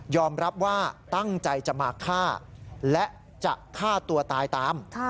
รับว่าตั้งใจจะมาฆ่าและจะฆ่าตัวตายตาม